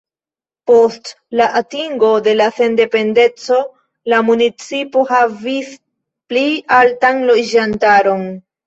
Post la atingo de sendependeco la municipo havis pli altan loĝantaron.